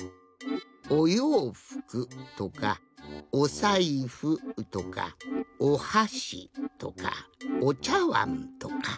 「おようふく」とか「おさいふ」とか「おはし」とか「おちゃわん」とか。